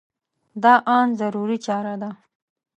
دا ان ضروري چاره ده.